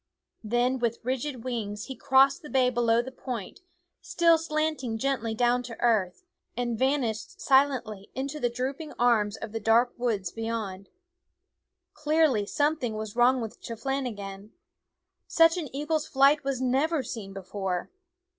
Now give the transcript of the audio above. Then with rigid wings he crossed the bay below the point, still slanting gently down to earth, and vanished silently into the drooping arms of the dark woods beyond. Clearly something was wrong with Chep lahgan. Such an eagle's flight was never seen before.